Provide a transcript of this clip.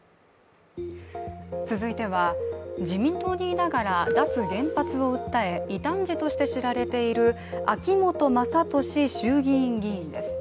続いては、自民党にいながら脱原発を訴え異端児として知られている秋本真利衆議院議員です。